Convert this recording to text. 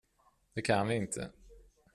Det kan vi inte.